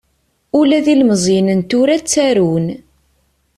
Ula d ilmeẓyen n tura ttarun.